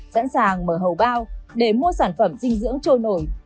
sẵn sàng mở hầu bao để mua sản phẩm dinh dưỡng trôi nổi